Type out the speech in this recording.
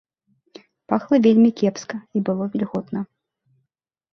Пахла вельмі кепска, і было вільготна.